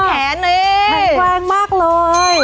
แขนแกวงมากเลย